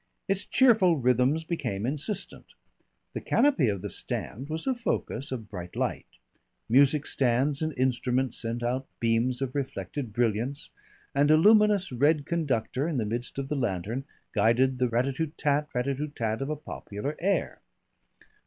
Its cheerful rhythms became insistent. The canopy of the stand was a focus of bright light, music stands and instruments sent out beams of reflected brilliance, and a luminous red conductor in the midst of the lantern guided the ratatoo tat, ratatoo tat of a popular air.